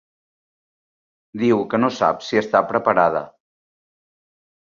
Diu que no sap si està preparada.